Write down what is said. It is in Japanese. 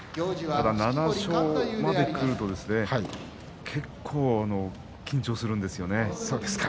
ただ７勝までくると結構、緊張するんですよね。